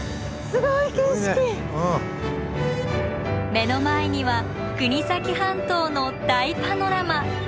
目の前には国東半島の大パノラマ！